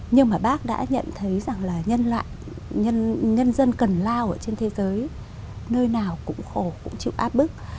nhưng mà bác đã nhận thấy rằng là nhân dân cần lao ở trên thế giới nơi nào cũng khổ cũng chịu áp bức